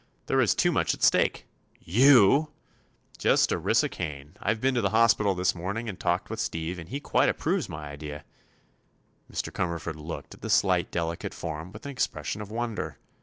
There is too much at stake." "You!" "Just Orissa Kane. I've been to the hospital this morning and talked with Steve, and he quite approves my idea." Mr. Cumberford looked at the slight, delicate form with an expression of wonder.